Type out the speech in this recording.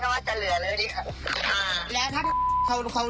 สวัสดีครับทุกคน